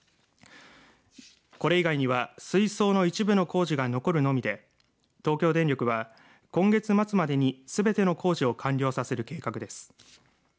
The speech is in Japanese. これ以外には水槽の一部の工事が残るのみで東京電力は今月末までにすべての工事を完了させる計画です。